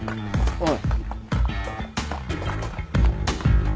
・おい。